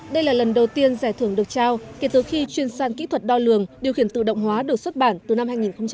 đây là lần đầu tiên giải thưởng được trao kể từ khi chuyên san kỹ thuật đo lường điều khiển tự động hóa được xuất bản từ năm hai nghìn một mươi